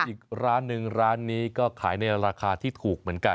อีกร้านหนึ่งร้านนี้ก็ขายในราคาที่ถูกเหมือนกัน